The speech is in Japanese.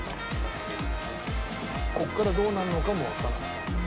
ここからどうなるのかもわからない。